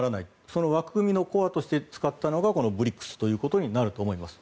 その枠組みのコアに使ったのがこのＢＲＩＣＳということになると思います。